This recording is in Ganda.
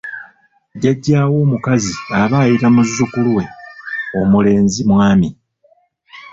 "Jjajjaawo omukazi aba ayita muzzukulu we omulenzi ""mwami""."